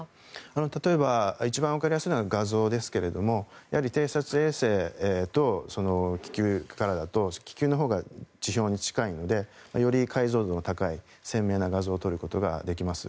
例えば一番わかりやすいのは画像ですけれども偵察衛星と気球だと気球のほうが地表に近いのでより解像度の高い鮮明な画像を撮ることができます。